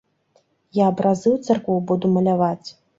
Я абразы ў царкву буду маляваць.